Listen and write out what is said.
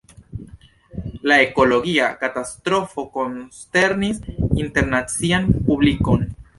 La ekologia katastrofo konsternis internacian publikon.